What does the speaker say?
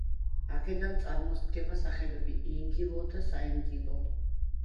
აქედან წარმოსდგება სახელები „ინგილო“ და „საინგილო“.